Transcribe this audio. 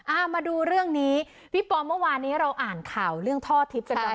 มาดูเรื่องนี้พี่ปอมเมื่อวานนี้เราอ่านข่าวเรื่องท่อทิพย์กันหน่อย